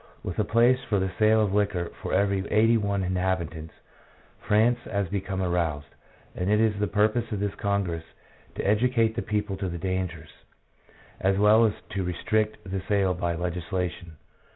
With a place for the sale of liquor for every eighty one inhabitants, France has become aroused, and it is the purpose of this congress to educate the people to the dangers, as well as to restrict the sale by legislation.